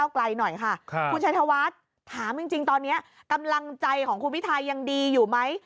ไกลหน่อยค่ะคุณชัยธวัฒน์ถามจริงตอนนี้กำลังใจของคุณพิทายังดีอยู่ไหม